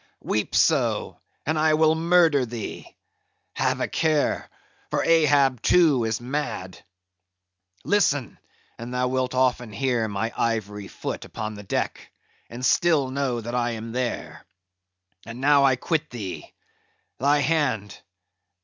"Weep so, and I will murder thee! have a care, for Ahab too is mad. Listen, and thou wilt often hear my ivory foot upon the deck, and still know that I am there. And now I quit thee. Thy hand!